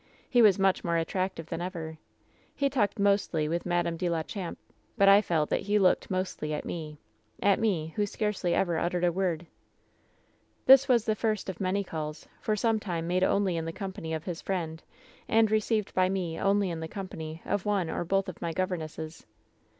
He was much more attractive than ever. He talked mostly with Madame de la Champe, but I felt that he looked mostly at me — at me, who scarcely ever uttered a word. "This was the first of many calls — for some time made only in the company of his friend, and received by me only in the company of one or both of my governesses.